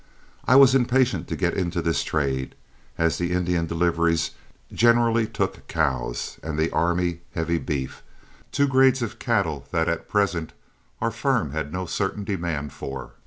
I was impatient to get into this trade, as the Indian deliveries generally took cows, and the army heavy beef, two grades of cattle that at present our firm had no certain demand for.